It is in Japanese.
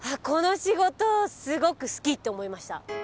この仕事すごく好きって思いました。